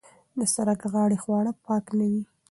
د سرک غاړې خواړه پاک نه وي.